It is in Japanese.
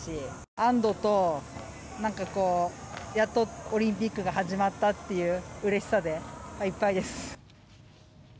安どとやっとオリンピックが始まったといううれしさでいっぱいです。